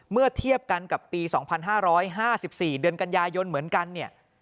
เมื่อเทียบกันกับปี๒๕๕๔เดือนกันยายนเหมือนกันเนี่ย